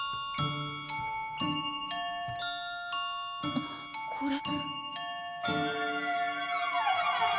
あっこれ。